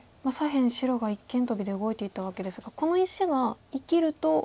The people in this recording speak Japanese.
左辺白が一間トビで動いていったわけですがこの石が生きると。